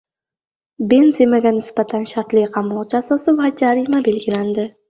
Benzemaga nisbatan shartli qamoq jazosi va jarima belgilandi